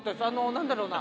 何だろうな？